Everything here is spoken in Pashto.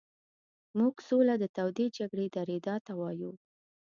موږ سوله د تودې جګړې درېدا ته وایو.